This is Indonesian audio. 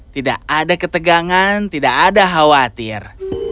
tidak ada ketegangan tidak ada khawatir